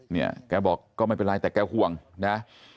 เนี่ยแกบอกก็ไม่เป็นไรแต่แกห่วงนะ